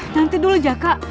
nanti dulu jaka